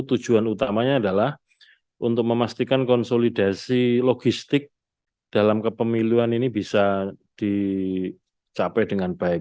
tujuan utamanya adalah untuk memastikan konsolidasi logistik dalam kepemiluan ini bisa dicapai dengan baik